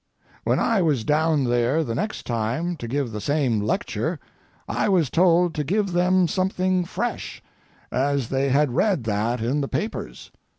When I was down there the next time to give the same lecture I was told to give them something fresh, as they had read that in the papers.